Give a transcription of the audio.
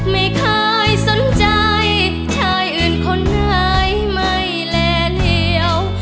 ไม่เคยสนใจชายอื่นคนไหนไม่แลเหลี่ยว